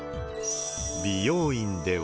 美容院では。